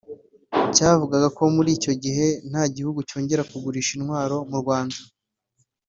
ryavugaga ko muri icyo gihe nta gihugu cyongera kugurisha intwaro mu Rwanda